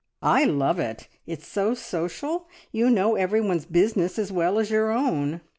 "I love it it's so social! You know everyone's business as well as your own.